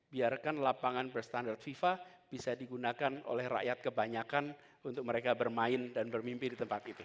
biarkan lapangan berstandar fifa bisa digunakan oleh rakyat kebanyakan untuk mereka bermain dan bermimpi di tempat itu